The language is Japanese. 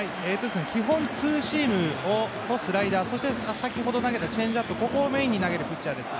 基本、ツーシームとスライダーそして先ほど投げたチェンジアップをメインに投げるピッチャーです。